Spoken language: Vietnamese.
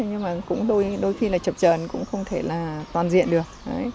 nhưng đôi khi chập trờn cũng không thể toàn diện được